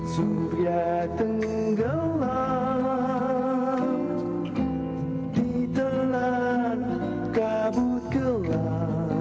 suria tenggelam ditelan kabut gelam